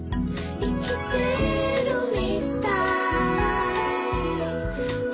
「いきてるみたい」